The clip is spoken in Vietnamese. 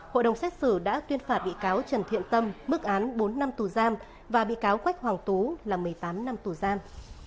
hội đồng xét xử đã tuyên phạt bị cáo trần thiện tâm mức án bốn năm tù giam và bị cáo quách hoàng tú là một mươi tám năm tù giam